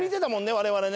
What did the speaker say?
我々ね。